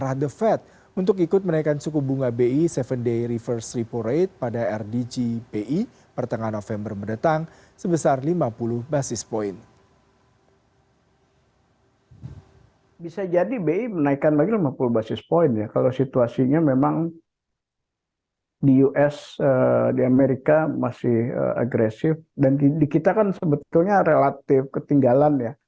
arah the fed untuk ikut menaikan suku bunga bi tujuh day reverse repo rate pada rdg bi pertengahan november mendatang sebesar lima puluh basis point